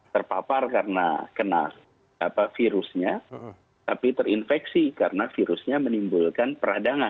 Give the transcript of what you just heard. terpapar karena kena virusnya tapi terinfeksi karena virusnya menimbulkan peradangan